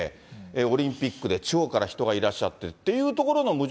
オリンピックで、地方から人がいらっしゃってっていうことの矛盾